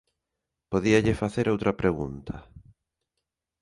Podíalle facer outra pregunta.